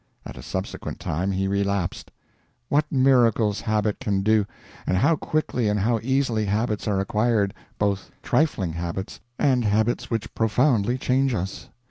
At a subsequent time he relapsed. What miracles habit can do! and how quickly and how easily habits are acquired both trifling habits and habits which profoundly change us.